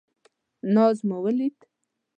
ناز مو ولید.